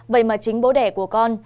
vậy mà chính bố đẻ của con